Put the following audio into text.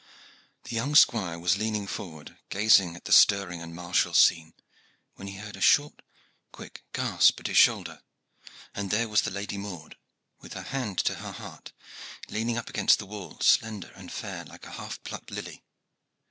The young squire was leaning forward, gazing at the stirring and martial scene, when he heard a short, quick gasp at his shoulder, and there was the Lady Maude, with her hand to her heart, leaning up against the wall, slender and fair, like a half plucked lily.